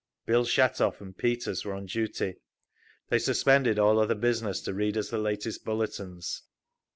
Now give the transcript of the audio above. Bill Shatov and Peters were on duty. They suspended all other business to read us the latest bulletins.